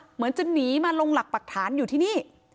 เหมือนจะหนีมาลงหลักปรักฐานอยู่ที่นี่